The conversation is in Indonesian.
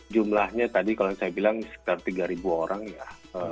jumlahnya tadi kalau saya bilang sekitar tiga orang ya